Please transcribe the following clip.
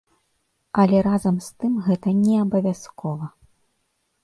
Але разам з тым гэта неабавязкова.